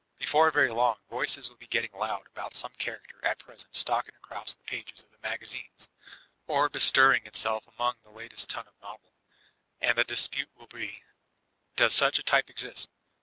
Before very long, voices will be getting loud about some character at present stalking across the pages of the magazines, or bestirring ttsdf among the latest ton of novel ; and the dispute will be, *'Does such a type exist?"